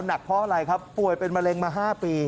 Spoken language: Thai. หนักเพราะอะไรครับป่วยเป็นมะเร็งมา๕ปี